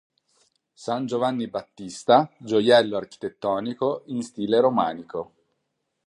San Giovanni Battista, gioiello architettonico in stile romanico.